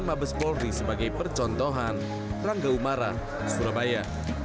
dan mabes polri sebagai percontohan rangka umara surabaya